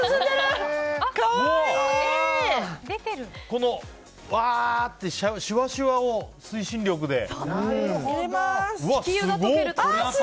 このシュワシュワを推進力で。